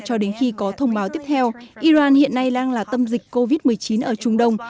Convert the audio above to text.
cho đến khi có thông báo tiếp theo iran hiện nay đang là tâm dịch covid một mươi chín ở trung đông